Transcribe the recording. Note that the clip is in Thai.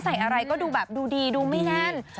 ใส่อะไรก็ดูแบบดูดีดูไม่แน่น